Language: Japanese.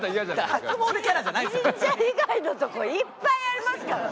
神社以外のとこいっぱいありますから！